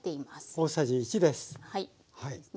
大さじ１です。